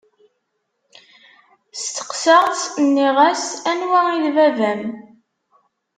Steqsaɣ-tt, nniɣ-as: Anwa i d baba-m?